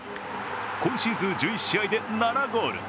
今シーズン１１試合で７ゴール。